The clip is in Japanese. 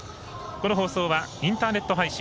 この放送はインターネット配信